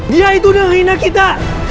dia itu yang ngehina kita